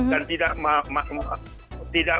dan tidak melaporkannya